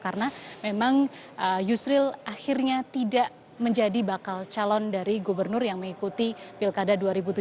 karena memang yusril akhirnya tidak menjadi bakal calon dari gubernur yang mengikuti pilkada dua ribu tujuh belas